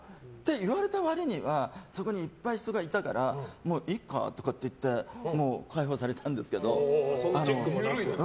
言われた割にはそこにいっぱい人がいたからもういっかとか言って解放されたんですけど。